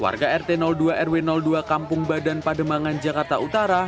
warga rt dua rw dua kampung badan pademangan jakarta utara